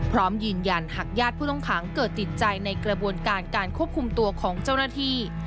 พร้อมยืนยันหากญาติผู้ต้องขังเกิดติดใจในกระบวนการการควบคุมตัวของเจ้าหน้าที่